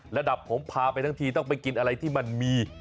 ระดับผมพาไปทั้งทีต้องไปกินอะไรที่มันมี